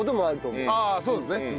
ああそうですね。